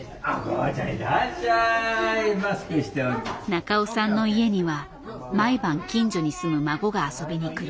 中尾さんの家には毎晩近所に住む孫が遊びに来る。